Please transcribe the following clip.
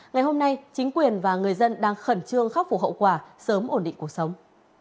ngày hôm nay chính quyền và người dân đang khẩn trương khắc phục hậu quả sớm ổn định cuộc sống